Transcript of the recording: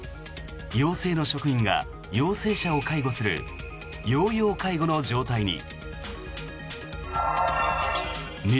陽性の職員が陽性者を介護する陽陽介護の状態に。